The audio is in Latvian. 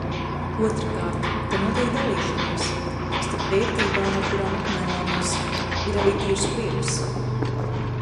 Otrkārt – te notiek dalīšanās. Starp vērtībām, ar kurām apmaināmies, ir arī tīrs prieks.